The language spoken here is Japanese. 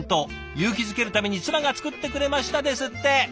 勇気づけるために妻が作ってくれました」ですって！